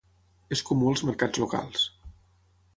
És comú als mercats locals.